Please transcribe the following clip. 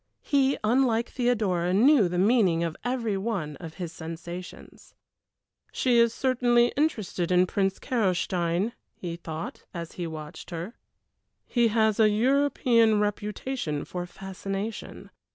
He, unlike Theodora, knew the meaning of every one of his sensations. "She is certainly interested in Prince Carolstein," he thought, as he watched her; "he has a European reputation for fascination.